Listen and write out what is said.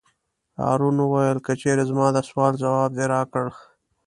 هارون وویل: که چېرې زما د سوال ځواب دې راکړ.